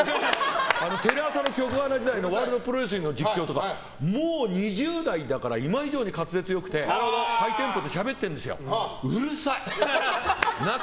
テレ朝の局アナ時代のプロレス番組の実況とかもう２０代だから今以上に滑舌良くてハイテンポでしゃべっててうるさい。